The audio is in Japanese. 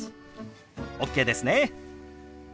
ＯＫですね。